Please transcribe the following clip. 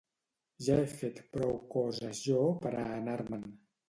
Ja he fet prou coses jo pera anar-me'n